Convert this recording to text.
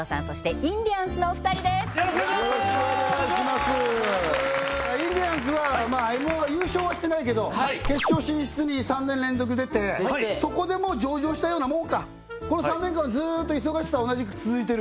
インディアンスはＭ−１は優勝はしてないけど決勝進出に３年連続出てそこでもう上場したようなもんかこの３年間はずっと忙しさは同じく続いてる？